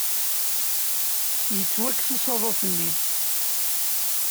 Yettwakkes usaḍuf-nni.